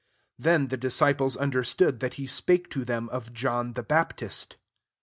'' 13 Then the disciples understood that he spake to them of John the Baptist.